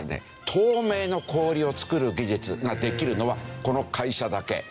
透明の氷を作る技術ができるのはこの会社だけ。